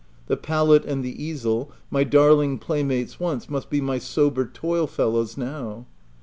The palette and the easel, my darling playmates once, must be my sober toil fellows now.